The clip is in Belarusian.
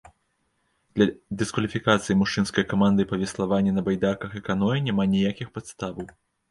Для дыскваліфікацыі мужчынскай каманды па веславанні на байдарках і каноэ няма ніякіх падставаў.